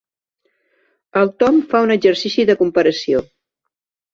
El Tom fa un exercici de comparació.